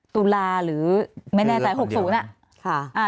ตุลาหรือไม่แน่ใจ๖ศูนย์นะ